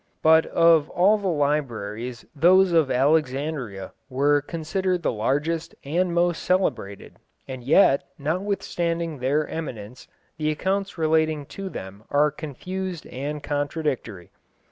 But of all libraries those of Alexandria were the largest and most celebrated, and yet, notwithstanding their eminence, the accounts relating to them are confused and contradictory.